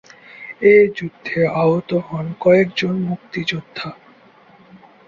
এ যুদ্ধে আহত হন কয়েকজন মুক্তিযোদ্ধা।